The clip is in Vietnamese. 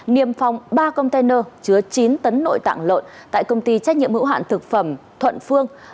niêm phong ba container chứa chín tấn nội tạng lợn tại công ty trách nhiệm hữu hạn thực phẩm thuận phương